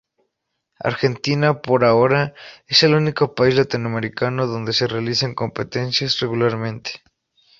Argentina, por ahora, es el único país latinoamericano donde se realizan competencias regularmente.